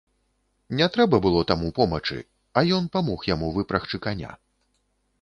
Не трэба было таму помачы, а ён памог яму выпрагчы каня.